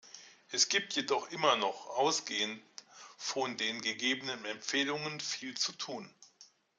Es gibt jedoch immer noch ausgehend von den gegebenen Empfehlungen viel zu tun.